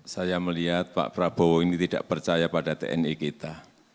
saya melihat pak prabowo ini tidak percaya pada tni kita